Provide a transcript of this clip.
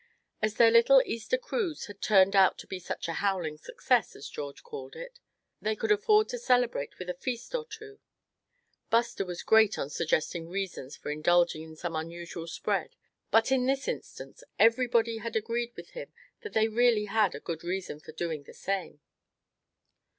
As their little Easter cruise had turned out to be such a "howling success" as George called it, they could afford to celebrate with a feast or two. Buster was great on suggesting reasons for indulging in some unusual spread; but in this instance everybody had agreed with him that they really had a good reason for doing the same.